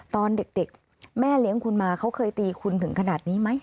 ตอนเด็กแม่เลี้ยงคุณมาเขาเคยตีคุณถึงขนาดนี้ไหม